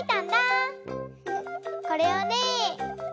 これをね